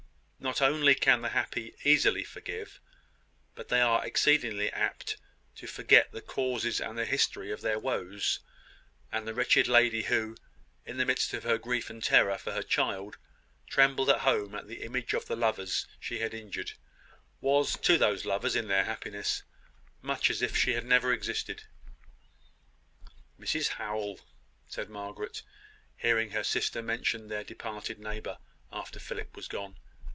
Not only can the happy easily forgive, but they are exceedingly apt to forget the causes and the history of their woes; and the wretched lady who, in the midst of her grief and terror for her child, trembled at home at the image of the lovers she had injured, was, to those lovers in their happiness, much as if she had never existed. "Mrs Howell!" said Margaret, hearing her sister mention their departed neighbour, after Philip was gone.